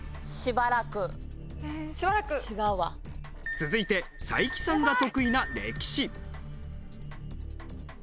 続いて才木さんが得意な歴史。